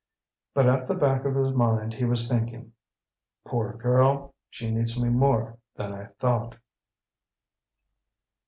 But at the back of his mind he was thinking, "Poor girl! She needs me more than I thought!"